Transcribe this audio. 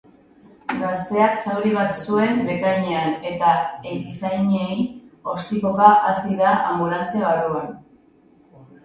Gazteak zauri bat zuen bekainean eta erizainei ostikoka hasi da anbulantzia barruan.